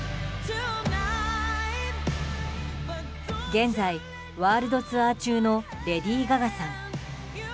現在、ワールドツアー中のレディー・ガガさん。